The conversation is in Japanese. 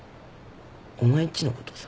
お前んちのことさ